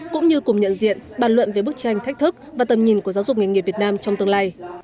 cũng như cùng nhận diện bàn luận về bức tranh thách thức và tầm nhìn của giáo dục nghề nghiệp việt nam trong tương lai